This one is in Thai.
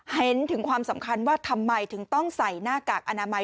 เห็นถึงความสำคัญว่าทำไมถึงต้องใส่หน้ากากอนามัย